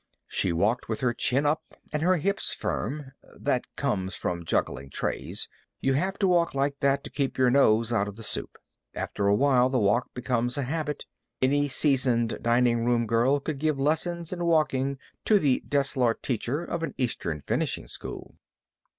She walked with her chin up and her hips firm. That comes from juggling trays. You have to walk like that to keep your nose out of the soup. After a while the walk becomes a habit. Any seasoned dining room girl could give lessons in walking to the Delsarte teacher of an Eastern finishing school.